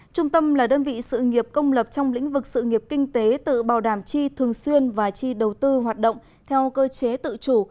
trung tâm là đơn vị sự nghiệp công lập trong lĩnh vực sự nghiệp kinh tế tự bảo đảm chi thường xuyên và chi đầu tư hoạt động theo cơ chế tự chủ